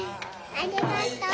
ありがとう。